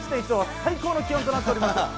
１．１度は、最高の気温となっております。